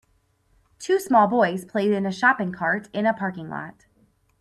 Two small boys play in a shopping cart in a parking lot.